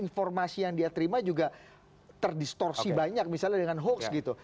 informasi yang dia terima juga terdistorsi banyak misalnya dengan hoax gitu